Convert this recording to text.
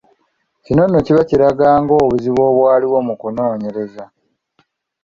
Kino nno kiba kiraga nga obuzibu bwaliwo mu kunoonyereza.